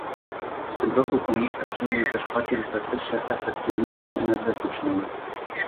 W tym roku Komisja przyjmie też pakiet w zakresie efektywności energetycznej